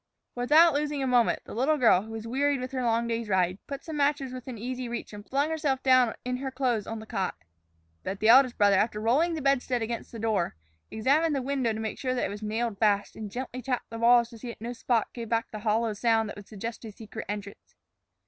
Without losing a moment, the little girl, who was wearied with her long day's ride, put some matches within easy reach and flung herself down in her clothes on the cot. But the eldest brother, after rolling the bedstead against the door, examined the window to make sure that it was nailed fast, and gently tapped the walls to see that no spot gave back the hollow sound that would suggest a secret entrance.